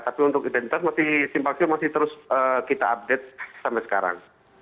tapi untuk identitas masih simpang siur masih terus kita update sampai sekarang